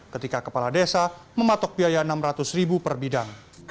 kepala desa mematok biaya rp enam ratus per bidang